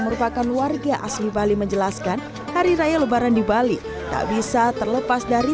merupakan warga asli bali menjelaskan hari raya lebaran di bali tak bisa terlepas dari